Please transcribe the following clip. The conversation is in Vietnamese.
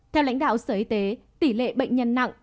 theo lãnh đạo sở y tế tỷ lệ bệnh nhân nặng